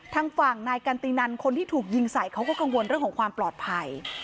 ทางฝั่งนายกันตินันคนที่ถูกยิงใส่เขาก็กังวลเรื่องของความปลอดภัย